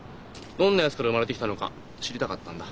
どんなやつから生まれてきたのか知りたかったんだ。